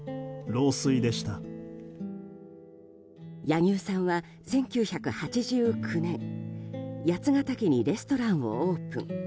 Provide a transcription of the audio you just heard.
柳生さんは１９８９年八ケ岳にレストランをオープン。